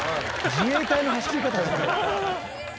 「自衛隊の走り方してる」